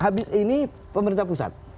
habis ini pemerintah pusat